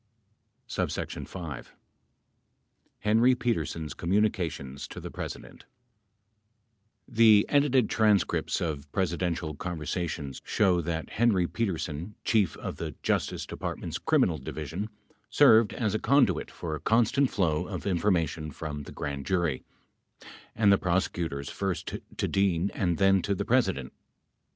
34 5 . henry peteesen's communications to the president The edited transcripts of Presidential conversations show that Henry Petersen, Chief of the Justice Department's Criminal Division, served as a conduit for a constant flow of information from the grand jury and the prosecutors first to Dean and then to the President.